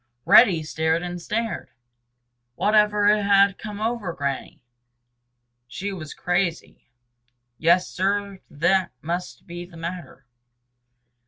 Reddy stared and stared. Whatever had come over Granny? She was crazy. Yes, Sir, that must be the matter.